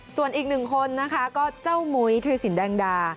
ส่วนอีกหนึ่งคนนะคะก็เจ้ามุยธุรสินแดงดา